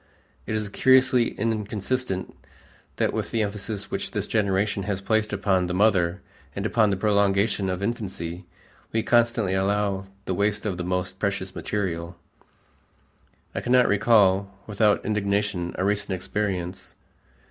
It is curiously inconsistent that with the emphasis which this generation has placed upon the mother and upon the prolongation of infancy, we constantly allow the waste of this most precious material. I cannot recall without indignation a recent experience.